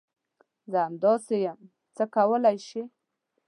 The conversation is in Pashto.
زه همداسي یم ، څه کولی شې ؟